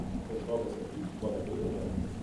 بشقاب سفید با لبهی قرمز